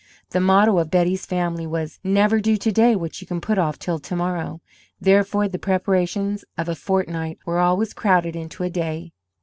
The motto of Betty's family was: "Never do to day what you can put off till to morrow"; therefore the preparations of a fortnight were always crowded into a day.